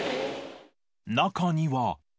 中には。